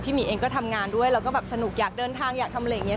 หมีเองก็ทำงานด้วยแล้วก็แบบสนุกอยากเดินทางอยากทำอะไรอย่างนี้